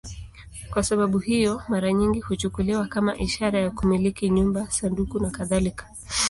Kwa sababu hiyo, mara nyingi huchukuliwa kama ishara ya kumiliki nyumba, sanduku nakadhalika.